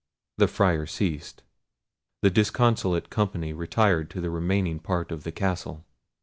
The Friar ceased. The disconsolate company retired to the remaining part of the castle.